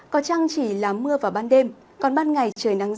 có trăng chỉ là mưa vào ban đêm còn ban ngày trời nắng ráo